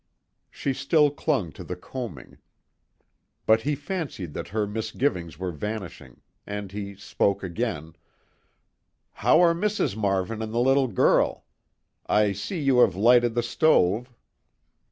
She still clung to the coaming, but he fancied that her misgivings were vanishing; and he spoke again: "How are Mrs. Marvin and the little girl? I see you have lighted the stove."